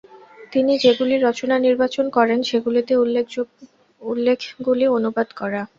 তিনি যেগুলি রচনা নির্বাচন করেন সেগুলিতে উল্লেখগুলি "অনুবাদ" করা।